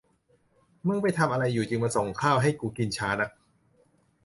มึงไปทำอะไรอยู่จึงมาส่งข้าวให้กูกินช้านัก